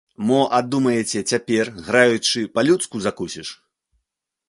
Мо а думаеце, цяпер, граючы, па-людску закусіш?!